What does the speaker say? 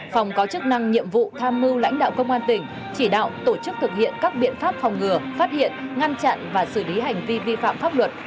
phòng có chức năng nhiệm vụ tham mưu lãnh đạo công an tỉnh chỉ đạo tổ chức thực hiện các biện pháp phòng ngừa phát hiện ngăn chặn và xử lý hành vi vi phạm pháp luật